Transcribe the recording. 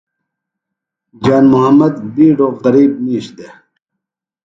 جان محمد بِیڈوۡ غریب مِیش دےۡ۔